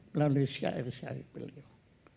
melalui syair syair beliau